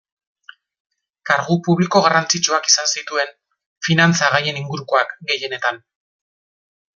Kargu publiko garrantzitsuak izan zituen, finantza gaien ingurukoak gehienetan.